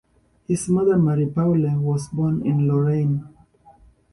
His mother, Marie-Paule, was born in Lorraine.